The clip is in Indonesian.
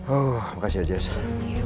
oh makasih ya jess